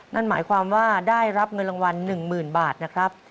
นั่นหมายความว่าได้รับเงินรางวัล๑๐๐๐บาทนะครับ